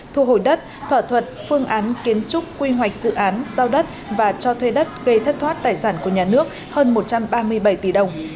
thu hồi đất thỏa thuật phương án kiến trúc quy hoạch dự án giao đất và cho thuê đất gây thất thoát tài sản của nhà nước hơn một trăm ba mươi bảy tỷ đồng